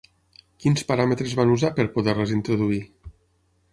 Quins paràmetres van usar per poder-les introduir?